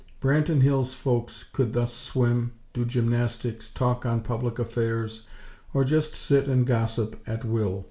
Branton Hills' folks could thus swim, do gymnastics, talk on public affairs, or "just sit and gossip", at will.